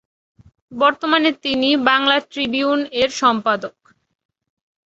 বর্তমানে তিনি বাংলা ট্রিবিউন-এর সম্পাদক।